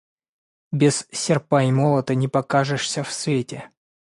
Без серпа и молота не покажешься в свете!